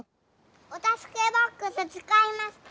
おたすけボックスつかいますか？